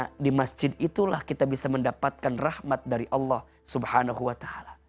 karena di masjid itulah kita bisa mendapatkan rahmat dari allah swt